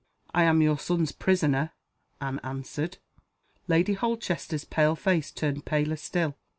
"I am your son's prisoner," Anne answered. Lady Holchester's pale face turned paler still.